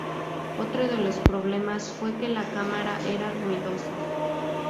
Otro de los problemas fue que la cámara era ruidosa.